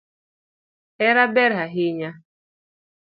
Hera ber ahinya